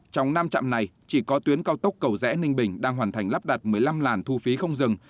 trong năm trạm này chỉ có tuyến cao tốc cầu rẽ ninh bình đang hoàn thành lắp đặt một mươi năm làn thu phí không dừng